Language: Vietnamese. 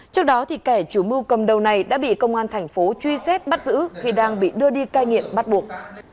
trước đó kẻ chủ mưu cầm đầu này đã bị công an thành phố truy xét bắt giữ khi đang bị đưa đi cai nghiện bắt buộc